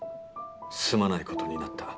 すまない事になった」。